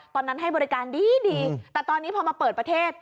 ตอนนั้นให้บริการดีดีแต่ตอนนี้พอมาเปิดประเทศ